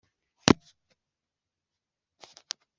Bwo kwishyura aho yari